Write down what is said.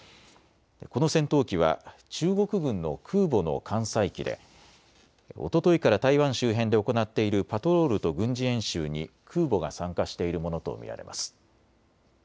この戦闘機は中国軍の空母の艦載機でおとといから台湾周辺で行っているパトロールと軍事演習に空母が参加しているものと見られます。